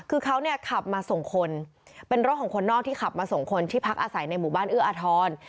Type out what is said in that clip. คือเขาเนี่ยขับมาส่งคนเป็นรถของคนนอกที่ขับมาส่งคนที่พักอาศัยในหมู่บ้านเอื้ออาทร